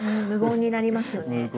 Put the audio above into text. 無言になりますよ。